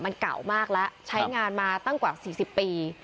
มันเก่ามากแล้วใช้งานมาตั้งกว่า๔๐ปี